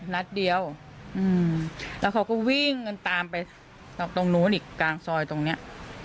นัดเดียวแล้วเขาก็วิ่งกันตามไปตรงนู้นอีกกลางซอยตรงเนี้ย